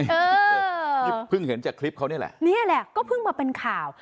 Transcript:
นี่เพิ่งเห็นจากคลิปเขานี่แหละนี่แหละก็เพิ่งมาเป็นข่าว